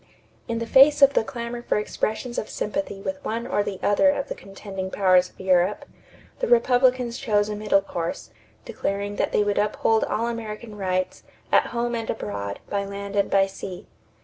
In the face of the clamor for expressions of sympathy with one or the other of the contending powers of Europe, the Republicans chose a middle course, declaring that they would uphold all American rights "at home and abroad, by land and by sea."